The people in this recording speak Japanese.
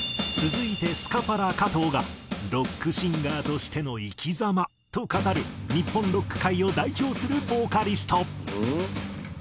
続いてスカパラ加藤がロックシンガーとしての生き様と語る日本ロック界を代表するボーカリスト。